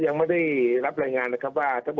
ทั้งสิ้นผีรายครับทั้งสิ้นผีรายครับ